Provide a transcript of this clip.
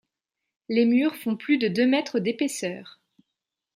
Les murs font plus de deux mètres d'épaisseur.